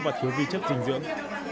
và thiếu vi chất dinh dưỡng